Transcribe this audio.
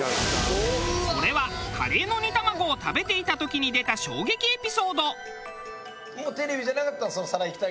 それはカレーの煮卵を食べていた時に出た衝撃エピソード。